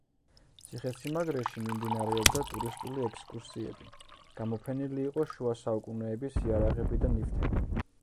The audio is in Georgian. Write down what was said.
ციხესიმაგრეში მიმდინარეობდა ტურისტული ექსკურსიები, გამოფენილი იყო შუა საუკუნეების იარაღები და ნივთები.